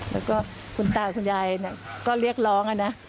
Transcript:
แล้วก็คุณตาคุณยายก็เรียกร้องนะ